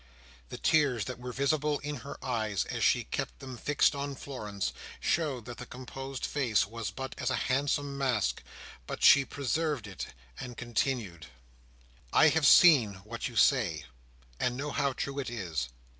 The tears that were visible in her eyes as she kept them fixed on Florence, showed that the composed face was but as a handsome mask; but she preserved it, and continued: "I have seen what you say, and know how true it is.